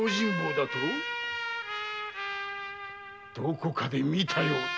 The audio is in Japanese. はてどこかで見たような。